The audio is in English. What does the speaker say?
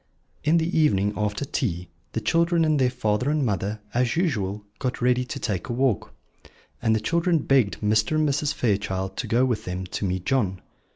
In the evening, after tea, the children and their father and mother, as usual, got ready to take a walk; and the children begged Mr. and Mrs. Fairchild to go with them to meet John.